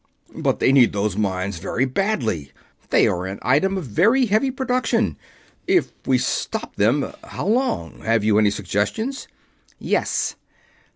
"But they need those mines very badly; they are an item of very heavy production. If we stop them ... how long? Have you any suggestions?" "Yes.